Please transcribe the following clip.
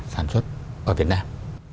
sản xuất ở việt nam